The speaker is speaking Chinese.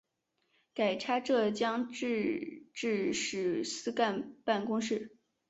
改差浙东制置使司干办公事。